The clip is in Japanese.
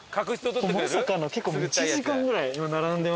まさかの結構１時間ぐらい並んでますね。